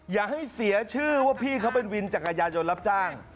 อย่าให้เสียชื่อว่าพี่เขาเป็นวินจักรยานยนต์รับจ้าง